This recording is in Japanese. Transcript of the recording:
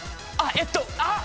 えっとあっ！